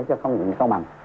chứ không dùng cao bằng